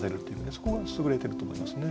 そこがすぐれてると思いますね。